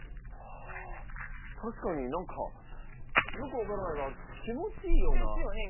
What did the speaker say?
ああ確かに何かよく分からないが気持ちいいような。ですよね。